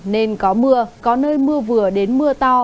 nên có mưa có nơi mưa vừa đến mưa to